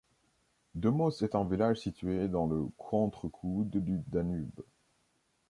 Dömös est un village situé dans le contre-coude du Danube.